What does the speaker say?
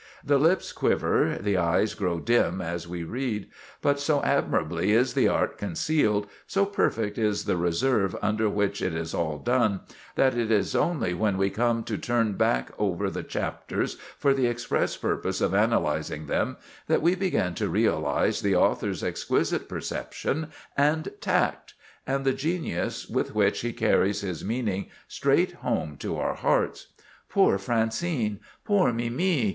The lips quiver, the eyes grow dim as we read; but so admirably is the art concealed, so perfect is the reserve under which it is all done, that it is only when we come to turn back over the chapters for the express purpose of analyzing them, that we begin to realize the author's exquisite perception and tact, and the genius with which he carries his meaning straight home to our hearts. Poor Francine! Poor Mimi!